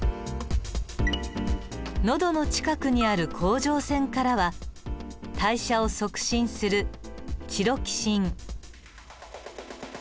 喉の近くにある甲状腺からは代謝を促進するチロキシン。